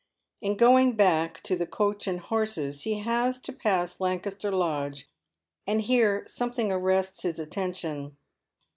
In going back to the " Coach and Horses " he has to pass Lan caster Lodge, and here something arrests his attention.